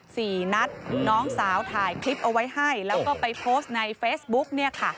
สี่นัดน้องสาวถ่ายคลิปเอาไว้ให้แล้วก็ไปโพสต์ในเฟซบุ๊กเนี่ยค่ะ